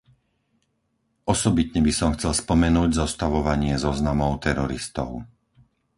Osobitne by som chcel spomenúť zostavovanie zoznamov teroristov.